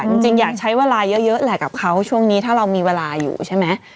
จริงอยากใช้เวลาเยอะแหละกับเขาช่วงนี้ถ้าเรามีเวลาอยู่ใช่ไหม